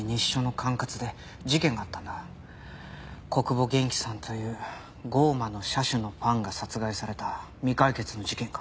小久保元気さんという『降魔の射手』のファンが殺害された未解決の事件が。